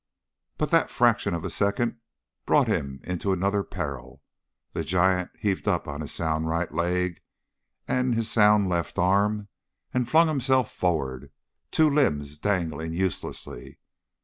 But that fraction of a second brought him into another peril. The giant heaved up on his sound right leg and his sound left arm, and flung himself forward, two limbs dangling uselessly.